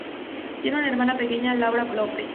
Tiene una hermana pequeña, Laura Lopes.